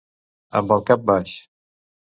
Amb el cap baix.